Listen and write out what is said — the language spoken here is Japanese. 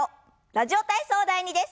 「ラジオ体操第２」です。